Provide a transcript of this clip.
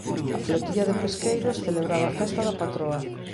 A flotilla de pesqueiros celebraba a festa da patroa.